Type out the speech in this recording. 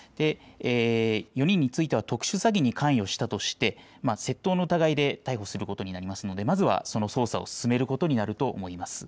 ４人については特殊詐欺に関与したとして窃盗の疑いで逮捕することになりますのでまずはその捜査を進めることになると思います。